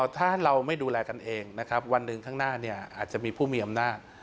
ถ้าเราไม่ดูแลกันเองนะครับวันหนึ่งข้างหน้าเนี่ยอาจจะมีผู้มีอำนาจ